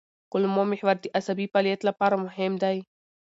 کولمو محور د عصبي فعالیت لپاره مهم دی.